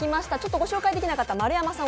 ご紹介できなかった丸山さん